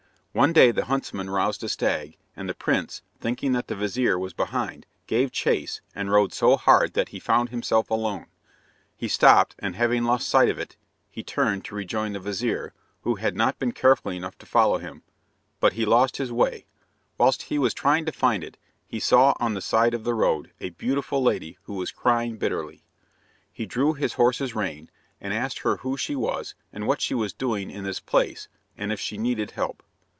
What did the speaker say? One day the huntsman roused a stag, and the prince, thinking that the vizir was behind, gave chase, and rode so hard that he found himself alone. He stopped, and having lost sight of it, he turned to rejoin the vizir, who had not been careful enough to follow him. But he lost his way. Whilst he was trying to find it, he saw on the side of the road a beautiful lady who was crying bitterly. He drew his horse's rein, and asked her who she was and what she was doing in this place, and if she needed help.